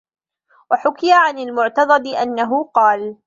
وَحُكِيَ عَنْ الْمُعْتَضِدِ أَنَّهُ قَالَ